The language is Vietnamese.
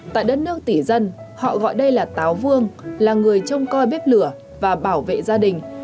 tại đất nước tỷ dân họ gọi đây là táo vương là người trông coi bếp lửa và bảo vệ gia đình